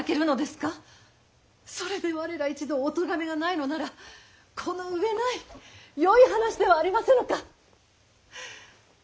それで我ら一同お咎めがないのならこの上ないよい話ではありませぬか。